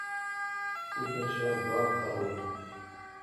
تو تس شا گوا کھاوون۔